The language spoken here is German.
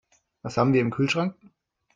Was haben wir im Kühlschrank?